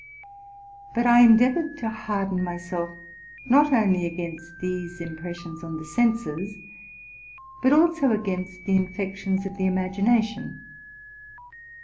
But I endeavored to harden myself, not only against these impressions on the senses, but also against the infections of the imagination.